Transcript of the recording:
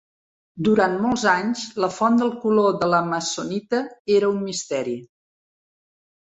Durant molts anys, la font del color de l'amazonita era un misteri.